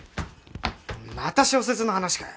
また小説の話かよ。